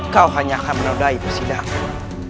kau hanya akan menodai persidangan